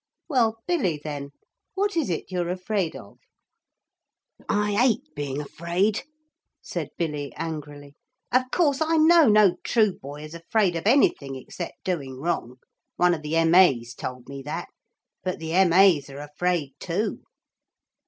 'Well, Billy, then. What is it you're afraid of?' 'I hate being afraid,' said Billy angrily. 'Of course I know no true boy is afraid of anything except doing wrong. One of the M.A.'s told me that. But the M.A.'s are afraid too.'